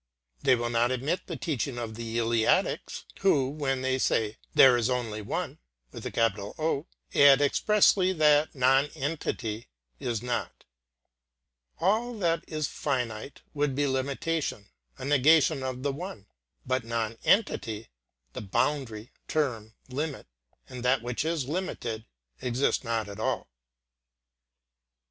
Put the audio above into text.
They will not admit the teaching of the Eleatics, who, when they say "There is only One," add expressly that non entity is not. All that is finite would be limitation, a negation of the One, but non entity, the boundary, term, limit, and that which is limited, exist not at all.